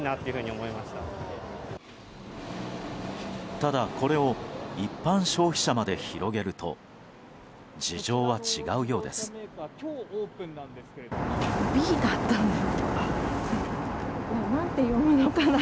ただ、これを一般消費者まで広げると事情は違うようです。